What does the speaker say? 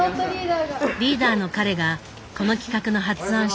リーダーの彼がこの企画の発案者。